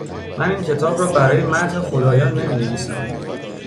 من این کتاب ر ا برای مدح خدایان نمی نویسم